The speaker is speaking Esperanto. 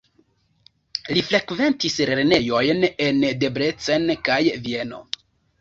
Li frekventis lernejojn en Debrecen kaj Vieno.